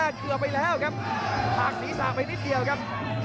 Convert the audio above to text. เกือบไปแล้วครับหักศีรษะไปนิดเดียวครับ